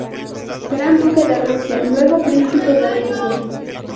Gran duque de Rusia, luego príncipe de Rusia.